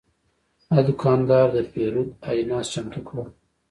دا دوکاندار د پیرود اجناس چمتو کړل.